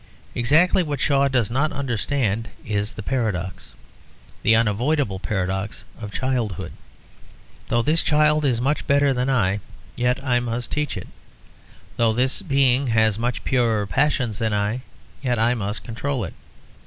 Exactly what Shaw does not understand is the paradox; the unavoidable paradox of childhood. Although this child is much better than I, yet I must teach it. Although this being has much purer passions than I, yet I must control it.